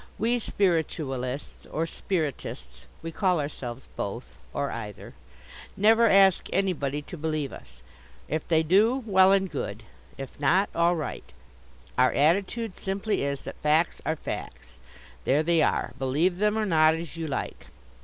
We Spiritualists, or Spiritists we call ourselves both, or either never ask anybody to believe us. If they do, well and good. If not, all right. Our attitude simply is that facts are facts. There they are; believe them or not as you like.